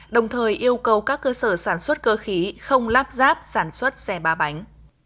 đồng thời yêu cầu các cơ sở sản xuất cơ khí không lắp ráp sản xuất xe ba bánh